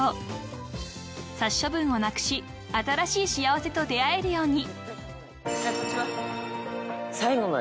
［殺処分をなくし新しい幸せと出合えるように］